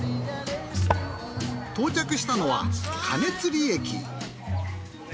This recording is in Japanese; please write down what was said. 到着したのは鐘釣駅。